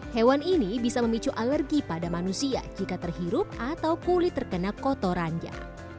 hewan ini bisa memicu alergi pada manusia jika terhirup atau kulit terkena kotorannya